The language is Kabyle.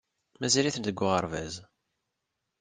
Mazal-itent deg uɣerbaz.